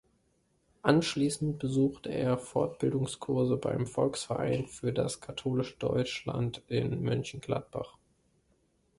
Anschließend besuchte er Fortbildungskurse beim Volksverein für das katholische Deutschland in Mönchengladbach.